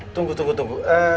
tunggu tunggu tunggu